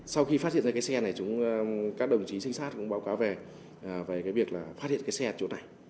sau khi phát hiện ra cái xe này các đồng chí sinh sát cũng báo cáo về việc phát hiện cái xe ở chỗ này